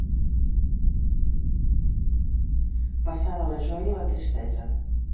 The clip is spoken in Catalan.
Passar de la joia a la tristesa.